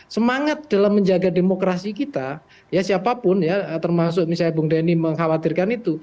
semangat dalam menjaga demokrasi kita ya siapapun ya termasuk misalnya bung denny mengkhawatirkan itu